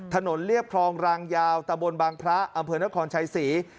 เรียบคลองรางยาวตะบนบางพระอำเภอนครชัยศรี